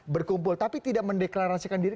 berkumpul tapi tidak mendeklarasikan diri